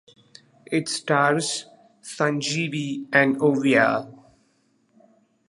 It stars Sanjeevi and Oviya.